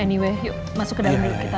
anyway yuk masuk ke dalam kita